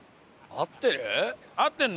合ってるの？